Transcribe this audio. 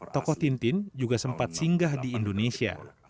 tokoh tintin juga sempat singgah di indonesia